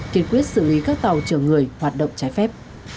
kiệt quyết xử lý các tàu trường người hoạt động trái phép